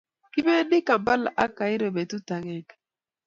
kipendi kampla ak cairo betut ageng